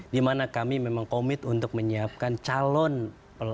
di mana kami memang komit untuk menyiapkan calon pelaku